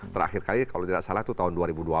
terakhir kali kalau tidak salah itu tahun dua ribu dua puluh